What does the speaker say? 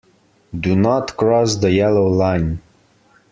Do not cross the yellow line.